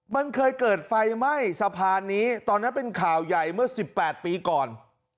มันเคยเกิดไฟไหม้สะพานนี้ตอนนั้นเป็นข่าวใหญ่เมื่อ๑๘ปีก่อน